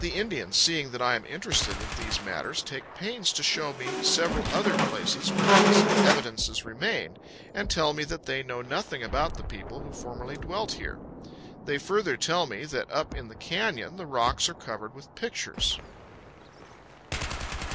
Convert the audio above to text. Indians, seeing that I am interested in these matters, take pains to show me several other places where these evidences remain, and tell me that they know nothing about the people who formerly dwelt here. They further tell me that up in the canyon the rocks are covered with pictures.